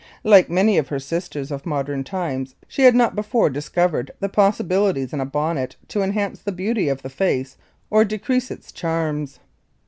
Like many of her sisters of modern times, she had not before discovered the possibilities in a bonnet to enhance the beauty of the face or decrease its charms.